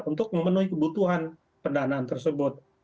untuk memenuhi kebutuhan pendanaan tersebut